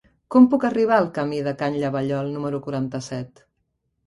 Com puc arribar al camí de Can Llavallol número quaranta-set?